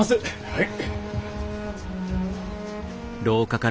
はい。